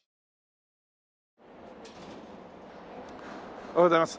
おはようございます。